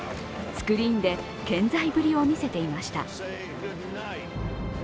スクリーンで健在ぶりを見せていました。